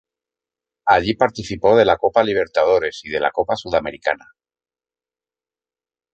Allí participó de la Copa Libertadores y de la Copa Sudamericana.